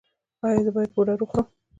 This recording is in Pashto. ایا زه باید پوډر وخورم؟